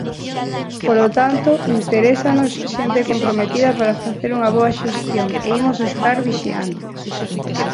Polo tanto, interésanos xente comprometida para facer unha boa xestión, e imos estar vixiantes.